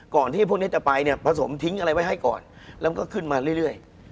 ที่พวกนี้จะไปเนี่ยผสมทิ้งอะไรไว้ให้ก่อนแล้วมันก็ขึ้นมาเรื่อย